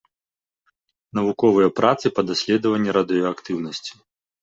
Навуковыя працы па даследаванні радыеактыўнасці.